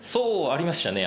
ありましたね